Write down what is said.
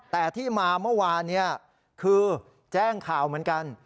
แต่ที่มาเมื่อวานนี้คือแจ้งข่าวเหมือนกัน